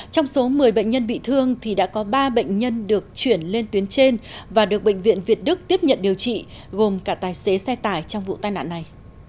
trong số một mươi bệnh nhân bị thương thì đã có ba bệnh nhân được chuyển lên tuyến trên và được bệnh viện việt đức tiếp nhận điều trị gồm cả tài xế xe tải trong vụ tai nạn này